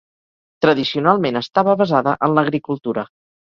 Tradicionalment estava basada en l'agricultura.